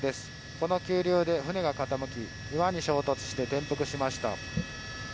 この渓流で船が傾き岩に衝突して転覆しました。